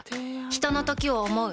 ひとのときを、想う。